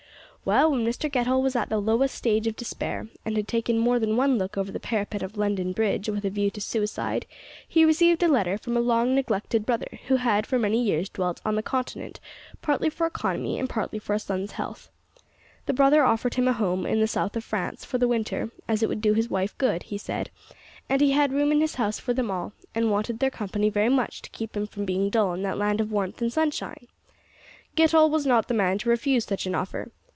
"Well, when Mr Getall was at the lowest stage of despair, and had taken more than one look over the parapet of London Bridge with a view to suicide, he received a letter from a long neglected brother, who had for many years dwelt on the Continent, partly for economy and partly for a son's health. The brother offered him a home in the south of France for the winter, as it would do his wife good, he said, and he had room in his house for them all, and wanted their company very much to keep him from being dull in that land of warmth and sunshine! Getall was not the man to refuse such an offer.